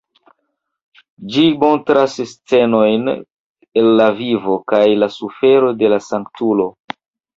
Ĝi montras scenojn el la vivo kaj la sufero de la sanktulo.